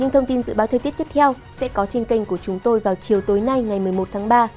thông tin dự báo thời tiết tiếp theo sẽ có trên kênh của chúng tôi vào chiều tối nay ngày một mươi một tháng ba